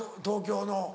東京の。